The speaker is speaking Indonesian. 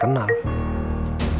kau mau beri aku mau bawa